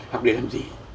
học để làm gì